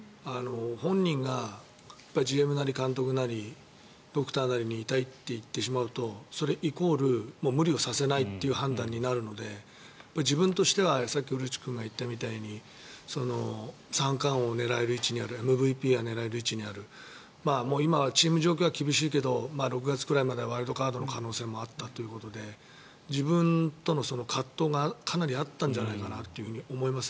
本人がＧＭなり監督なりドクターなりに痛いと言ってしまうとそれイコール無理をさせないという判断になるので自分としてはさっき古内君が言ったみたいに三冠王を狙える位置にあるＭＶＰを狙える位置にある今はもうチーム状況は厳しいけど、６月くらいまでワイルドカードの可能性もあったということで自分との葛藤がかなりあったんじゃないかなと思います。